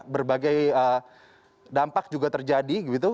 berbagai dampak juga terjadi